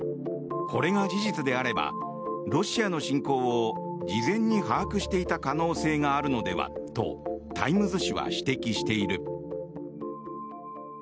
これが事実であればロシアの侵攻を事前に把握していた可能性があるのではとタイムズ紙は指摘している。